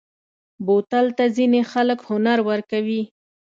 بوتل ته ځینې خلک هنر ورکوي.